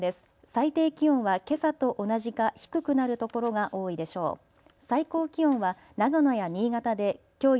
最低気温はけさと同じか低くなる所が多いでしょう。